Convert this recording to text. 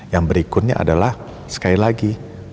yang berikutnya adalah sekali lagi